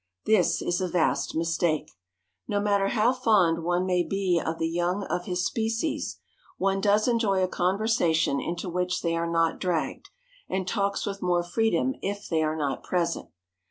This is a vast mistake. No matter how fond one may be of the young of his species, one does enjoy a conversation into which they are not dragged, and talks with more freedom if they are not present.